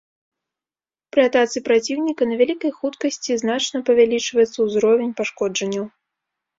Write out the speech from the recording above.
Пры атацы праціўніка на вялікай хуткасці значна павялічваецца ўзровень пашкоджанняў.